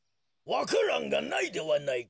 わか蘭がないではないか。